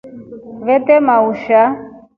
Vetema undusha.